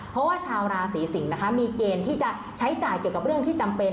เพราะว่าชาวราศีสิงศ์นะคะมีเกณฑ์ที่จะใช้จ่ายเกี่ยวกับเรื่องที่จำเป็น